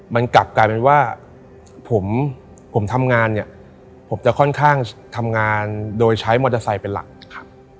มันกลับกลายเป็นว่าผมผมทำงานเนี่ยผมจะค่อนข้างทำงานโดยใช้มอเตอร์ไซค์เป็นหลักครับ